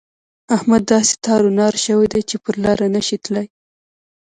احمد داسې تار و نار شوی دی چې پر لاره نه شي تلای.